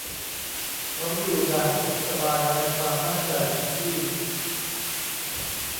เขาอยู่อย่างสุขสบายในความมั่นใจผิดที่